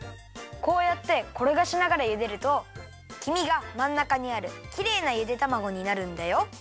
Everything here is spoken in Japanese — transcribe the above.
こうやってころがしながらゆでるときみがまんなかにあるきれいなゆでたまごになるんだよ。